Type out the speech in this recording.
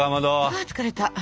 ああ疲れた。